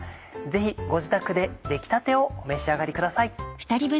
ぜひご自宅で出来たてをお召し上がりください。